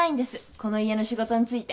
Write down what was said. この家の仕事について。